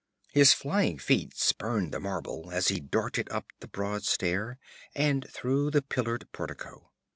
His flying feet spurned the marble as he darted up the broad stair and through the pillared portico.